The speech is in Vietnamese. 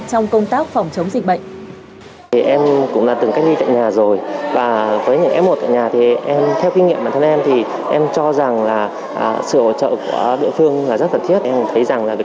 trong các cơ sở cách ly tập trung